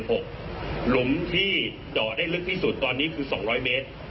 หลุมที่เจาะได้ลึกที่สุดตอนนี้คือ๒๐๐เมตร